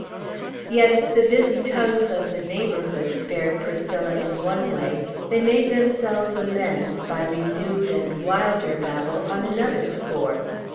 Yet, if the busy tongues of the neighborhood spared Priscilla in one way, they made themselves amends by renewed and wilder babble on another score.